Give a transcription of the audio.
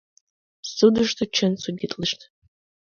Судышто чын судитлышт.